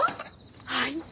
はい。